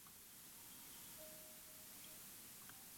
Existen un cementerio y dos edificios modernos.